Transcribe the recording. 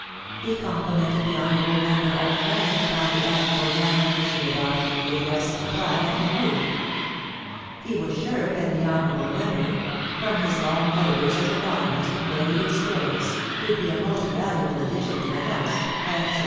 He complimented the honourable member for Nerang upon the admirable manner in which the Adoption of the Address in reply had been moved. ... He was sure that the honour able member, from his long labours as a colonist and varied experience, would be a most valuable addition to the House, etc. .